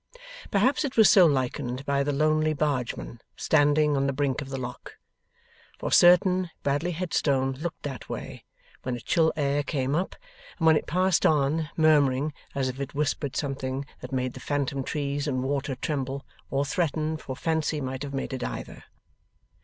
Perhaps it was so likened by the lonely Bargeman, standing on the brink of the lock. For certain, Bradley Headstone looked that way, when a chill air came up, and when it passed on murmuring, as if it whispered something that made the phantom trees and water tremble or threaten for fancy might have made it either.